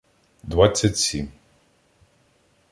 Двадцять сім